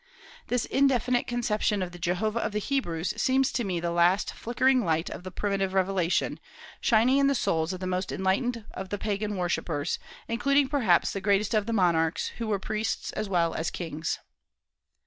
This indefinite conception of the Jehovah of the Hebrews seems to me the last flickering light of the primitive revelation, shining in the souls of the most enlightened of the Pagan worshippers, including perhaps the greatest of the monarchs, who were priests as well as kings.